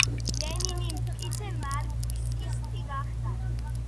ლენინი მტკიცე მარქსისტი გახდა.